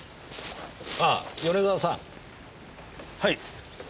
ああ米沢さん！はい。